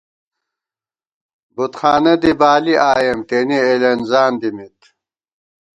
بُت خانہ دی بالِی آئیېم، تېنے اېلېنزان دِمېت